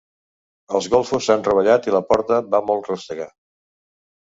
Els golfos s'han rovellat i la porta va molt rústega.